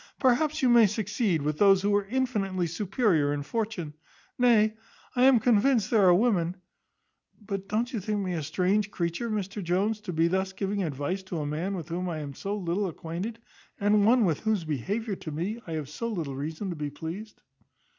Perhaps you may succeed with those who are infinitely superior in fortune; nay, I am convinced there are women but don't you think me a strange creature, Mr Jones, to be thus giving advice to a man with whom I am so little acquainted, and one with whose behaviour to me I have so little reason to be pleased?"